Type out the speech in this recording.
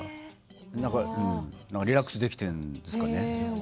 リラックスできてるんですかね。